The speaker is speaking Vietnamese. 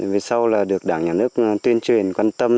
về sau là được đảng nhà nước tuyên truyền quan tâm